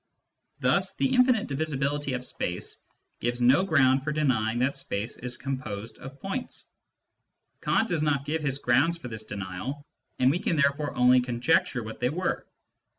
Thus the infinite divisibility of space gives no ground for denying that space is composed of points. Kant does not give his grounds for this denial, and we can therefore only con jecture what they were.